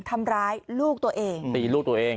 ทำร้ายลูกตัวเองตีลูกตัวเอง